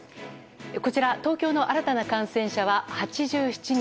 東京の新たな感染者は８７人。